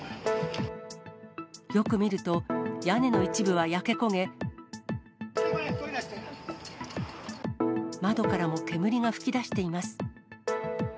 よく見ると、屋根の一部は焼け焦げ、窓からも煙が噴き出しています。